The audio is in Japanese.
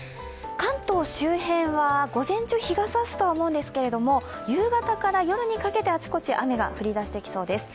関東周辺は午前中、日がさすとは思うんですけれども、夕方から夜にかけて、あちこち雨が降りだしてきそうです。